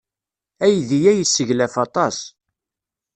Aydi-a yesseglaf aṭas.